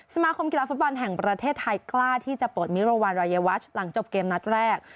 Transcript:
สมาคมกีฬาฟุตบอลแห่งประเทศไทยกล้าที่จะเปิดมิรวรรณรายวัชหลังจบเกมนัดแรก